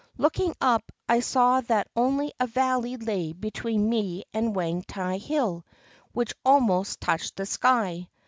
Looking up, I saw that only a valley lay between me and Wang tai Hill, which almost touched the sky.